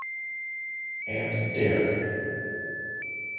And daring.